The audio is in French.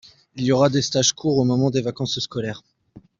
il y aura des stages courts au moment des vacances scolaires.